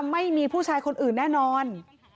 ไม่มีผู้ชายคนอื่นแน่นอน